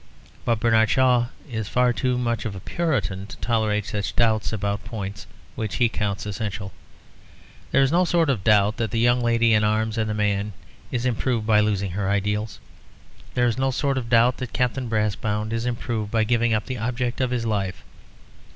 But Bernard Shaw is far too much of a Puritan to tolerate such doubts about points which he counts essential. There is no sort of doubt that the young lady in Arms and the Man is improved by losing her ideals. There is no sort of doubt that Captain Brassbound is improved by giving up the object of his life.